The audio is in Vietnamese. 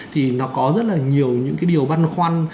thì nó có rất là nhiều những cái điều băn khoăn